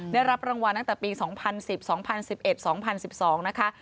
ได้รับรางวัลตั้งแต่ปี๒๐๑๐๒๐๑๑๒๐๑๒นะคะ